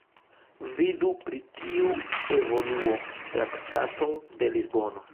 Vidu pri tiu evoluo Traktaton de Lisbono.